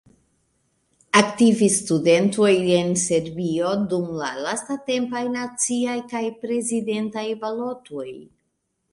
Aktivis studentoj en Serbio dum la lastatempaj naciaj kaj prezidentaj balotoj.